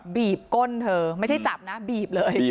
บีบก้นเธอไม่ใช่จับนะบีบเลย